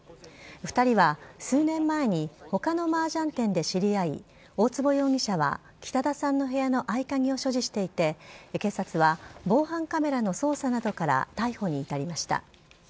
２人は数年前にほかのマージャン店で知り合い、大坪容疑者は北田さんの部屋の合鍵を所持していて、警察は防犯カメラの捜査などから逮捕に至りました。